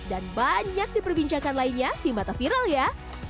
dan banyak diperbincangkan lainnya di mata viral ya